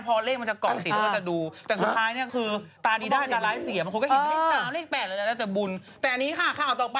อ๋อสปริงสตรองเพศัตริย์สปริงสตรองวะ